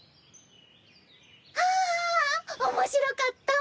ああ面白かった！